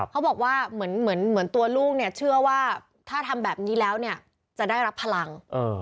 เขาบอกว่าเหมือนตัวลูกเนี่ยเชื่อว่าถ้าทำแบบนี้แล้วเนี่ยจะได้รับพลัง